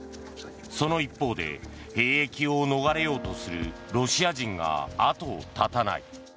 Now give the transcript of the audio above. その一方で兵役を逃れようとするロシア人が後を絶たない。